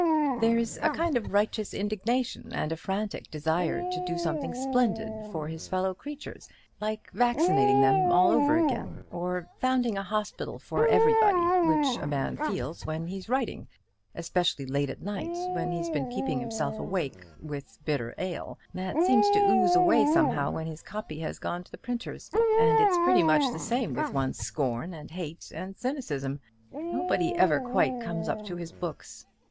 "There's a kind of righteous indignation, and a frantic desire to do something splendid for his fellow creatures, like vaccinating them all over again, or founding a hospital for everybody, which a man feels when he's writing especially late at night, when he's been keeping himself awake with bitter ale that seems to ooze away somehow when his copy has gone to the printers. And it's pretty much the same with one's scorn and hate and cynicism. Nobody ever quite comes up to his books.